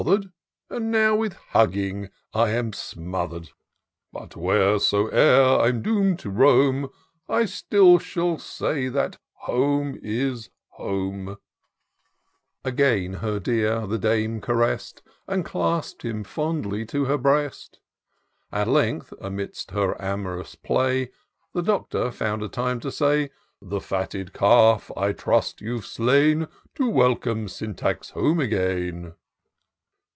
339 Just now with horsewhip I was bother'd; And now with hugging I am smother'd ; But wheresoe'er I'm doom'd to roam^ I still shall say — that home is home /" Again her dear the Dame caress'd, And clasp'd him fondly to her breast : At length, amidst her am'rous play. The Doctor foimd a time to say —" The fatted calf I trust you've slain, To welcome Syntax home again."